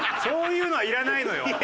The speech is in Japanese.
そういうのはいらないのよ。